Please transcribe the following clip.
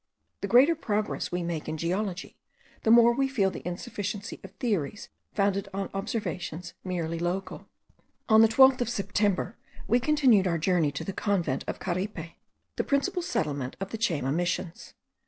The greater progress we make in geology, the more we feel the insufficiency of theories founded on observations merely local. On the 12th of September we continued our journey to the convent of Caripe, the principal settlement of the Chayma missions.